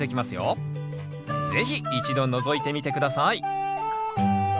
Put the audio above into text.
是非一度のぞいてみて下さい。